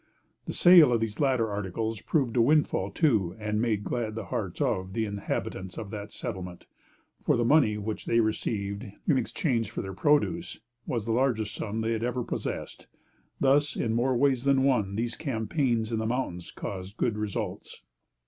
The sale of these latter articles proved a windfall to, and made glad the hearts of the inhabitants of the settlement; for the money which they received, in exchange for their produce, was the largest sum they had ever possessed. Thus, in more ways than one, these campaigns in the mountains caused good results.